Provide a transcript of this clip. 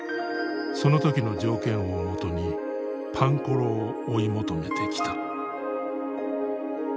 その時の条件をもとにパンコロを追い求めてきた。